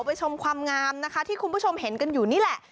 ชมความงามนะคะที่คุณผู้ชมเห็นกันอยู่นี่แหละ